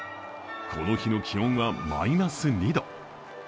この日の気温はマイナス２度。